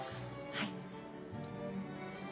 はい。